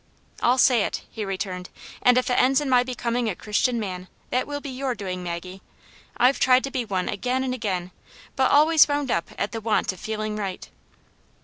"I'll say it," he returned. "And if it ends in my becoming a Christian man, that will be your doing, Maggie. I've tried to be one again and again, but always wound up at the want of feeling right."